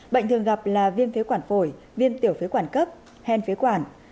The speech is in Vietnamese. bệnh thường gặp là viêm phế quản phổi viêm tiểu phế quản cấp hen phế quản